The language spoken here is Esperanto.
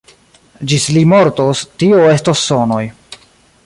Ĝis li mortos, tio estos sonoj.